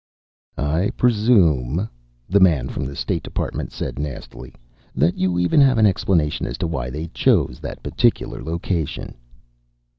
"I presume," the man from the state department said nastily, "that you even have an explanation as to why they chose that particular location."